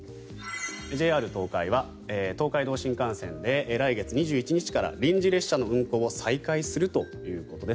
ＪＲ東海は東海道新幹線で来月２１日から臨時列車の運行を再開するということです。